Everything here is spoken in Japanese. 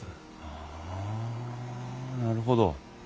はあなるほど。